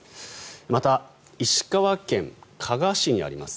また、石川県加賀市にあります